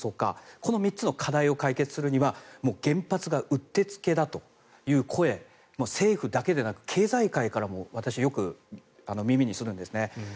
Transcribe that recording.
この３つの課題を解決するには原発がうってつけだという声政府だけでなく経済界からも私、よく耳にするんですね。